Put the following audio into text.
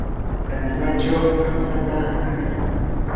kanalachaw kamtsata ankay.